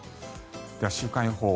では、週間予報。